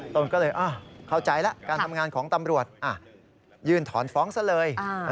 ตนก็เลยเข้าใจแล้วการทำงานของตำรวจยื่นถอนฟ้องซะเลย